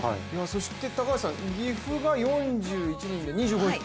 高橋さん、岐阜が４１人で２５位。